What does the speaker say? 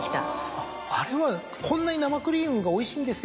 あれは「こんなに生クリームがおいしいんですよ」